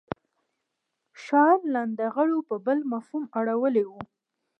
ښار لنډه غرو پر بل مفهوم اړولې وه.